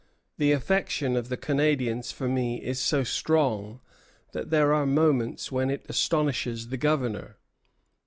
"The affection of the Indians for me is so strong that there are moments when it astonishes the Governor."